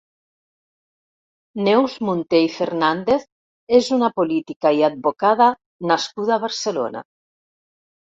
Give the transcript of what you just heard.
Neus Munté i Fernández és una política i advocada nascuda a Barcelona.